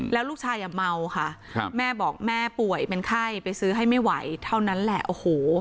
แล้วลูกชายอ่ะเมาค่ะแม่บอกแม่ป่วยเป็นไข้ไปซื้อให้ไม่ไหวเท่านั้นแหละโอ้โห